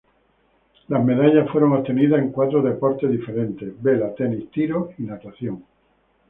Las medallas fueron obtenidas en cuatro deportes diferentes: vela, tenis, tiro y natación.